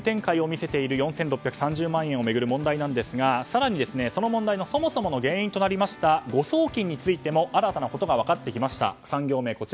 ４６３０万円を巡る問題ですが更にその問題のそもそもの原因となりました誤送金についても新たなことが分かってきました。